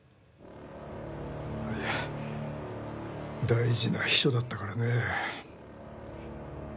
いや大事な秘書だったからね。